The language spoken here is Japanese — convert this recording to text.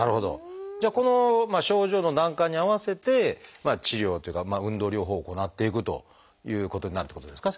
じゃあこの症状の段階に合わせて治療というか運動療法を行っていくということになるってことですか？